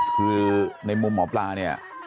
คือในมุมหมอปลาเนี่ย